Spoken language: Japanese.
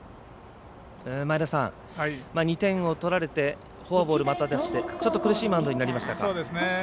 前田さん、２点を取られてフォアボールを出して苦しいマウンドになりましたか。